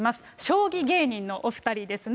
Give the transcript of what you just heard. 将棋芸人のお２人ですね。